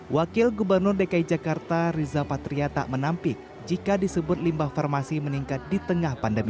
wakil gubernur dki jakarta riza patria tak menampik jika disebut limbah farmasi meningkat di tengah pandemi